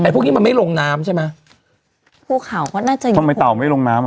พวกนี้มันไม่ลงน้ำใช่ไหม